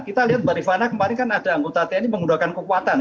kita lihat mbak rifana kemarin kan ada anggota tni menggunakan kekuatan